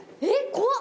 怖っ！